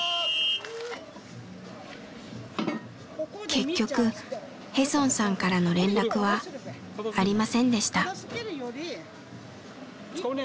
結局ヘソンさんからの連絡はありませんでした。